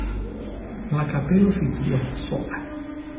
La kapelo situas sola.